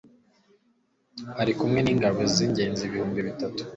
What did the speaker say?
ari kumwe n'ingabo z'ingenzi ibihumbi bitatu